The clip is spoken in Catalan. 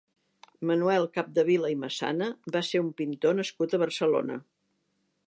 Manuel Capdevila i Massana va ser un pintor nascut a Barcelona.